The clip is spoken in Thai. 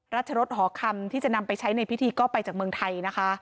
รัชรสหอคำที่จะนำไปใช้ในพิธีก็ไปจากเมืองไทยนะคะ